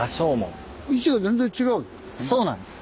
そうなんです。